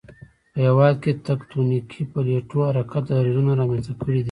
په هېواد کې تکتونیکی پلیټو حرکت درزونه رامنځته کړي دي